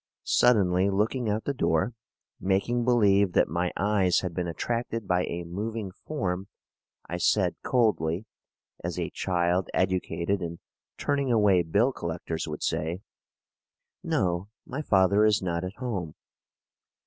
Suddenly looking out the door, making believe that my eyes had been attracted by a moving form, I said coldly, as a child educated in turning away bill collectors would say: "No my father is not at home."